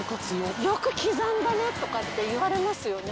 よく刻んだねとかって言われますよね。